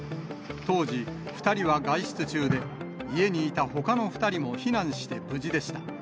当時、２人は外出中で、家にいたほかの２人も避難して無事でした。